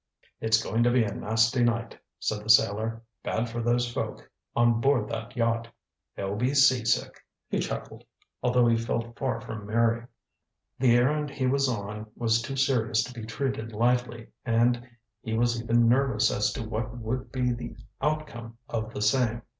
"It's going to be a nasty night," said the sailor. "Bad for those folk on board that yacht. They'll be sea sick." He chuckled, although he felt far from merry. The errand he was on was too serious to be treated lightly, and he was even nervous as to what would be the outcome of the same.